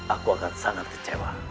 aku akan sangat kecewa